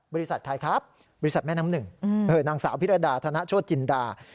บริษัทใครครับบริษัทแม่น้ำหนึ่งนางสาวพิรดาธนโชธจินดา